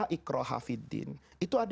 tidak boleh ada paksaan dalam memeluk agama